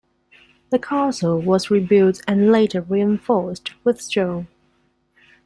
The castle was rebuilt and later reinforced with stone.